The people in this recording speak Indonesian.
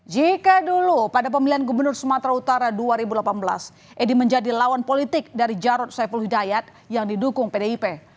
jika dulu pada pemilihan gubernur sumatera utara dua ribu delapan belas edi menjadi lawan politik dari jarod saiful hidayat yang didukung pdip